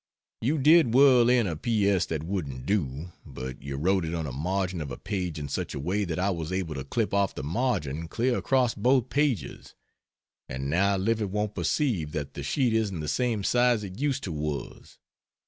You did whirl in a P. S. that wouldn't do, but you wrote it on a margin of a page in such a way that I was able to clip off the margin clear across both pages, and now Livy won't perceive that the sheet isn't the same size it used to was.